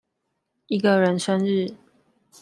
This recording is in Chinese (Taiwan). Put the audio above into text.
一個人生日